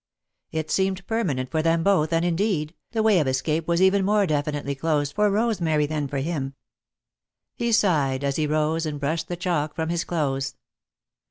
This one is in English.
It seemed permanent for them both, and, indeed, the way of escape was even more definitely closed for Rosemary than for him. [Sidenote: A New Rosemary] He sighed as he rose and brushed the chalk from his clothes.